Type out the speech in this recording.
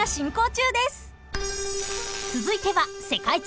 ［続いては］